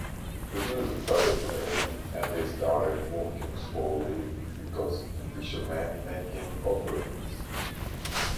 The music started playing and they started walking slowly because the fishermen making offerings.